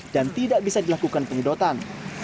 dan tidak bisa dilakukan pengidotan